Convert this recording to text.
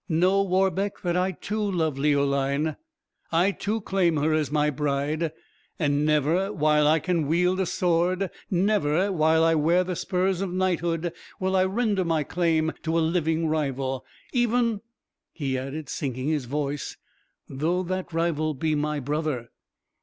Know, Warbeck, that I, too, love Leoline; I, too, claim her as my bride; and never, while I can wield a sword never, while I wear the spurs of knighthood, will I render my claim to a living rival. Even," he added (sinking his voice), "though that rival be my brother!"